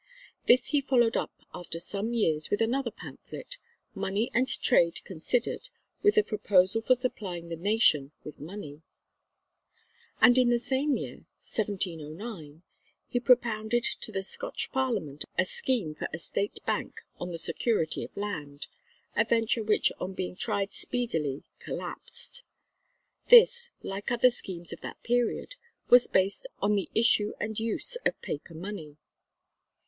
This he followed up after some years, with another pamphlet, "Money and Trade considered, with a proposal for supplying the Nation with Money"; and in the same year (1709) he propounded to the Scotch Parliament a scheme for a State Bank on the security of land a venture which on being tried speedily collapsed. This, like other schemes of that period, was based on the issue and use of paper money.